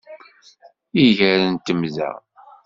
Iger n temda